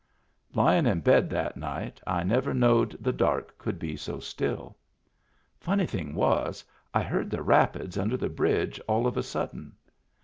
Lyin' in bed that night I never knowed the dark could be so still. Funny thing was, I heard the rapids under the bridge all of a sudden.